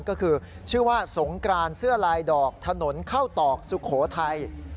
ก็คือชื่อว่าสงกรานเสื้อลายดอกถนนเข้าตอกสุโขทัย